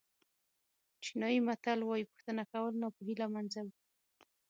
چینایي متل وایي پوښتنه کول ناپوهي له منځه وړي.